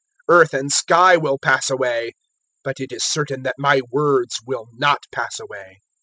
021:033 Earth and sky will pass away, but it is certain that my words will not pass away.